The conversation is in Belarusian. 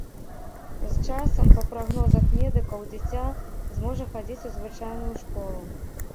З часам, па прагнозах медыкаў, дзіця зможа хадзіць у звычайную школу.